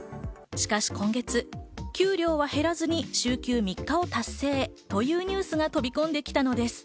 しかし今月、給料は減らずに週休３日を達成というニュースが飛び込んできたのです。